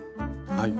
はい。